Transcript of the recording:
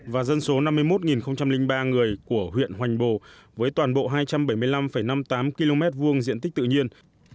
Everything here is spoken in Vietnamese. và dân số năm mươi một ba người của huyện hoành bồ với toàn bộ hai trăm bảy mươi năm năm mươi tám km hai diện tích tự nhiên